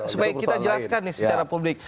ini supaya kita jelaskan secara publik